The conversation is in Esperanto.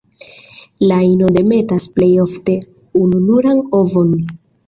La ino demetas plej ofte ununuran ovon.